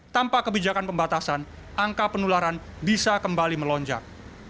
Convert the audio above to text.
tanpa kebijakan pembatasan angka penularan bisa kembali melonjak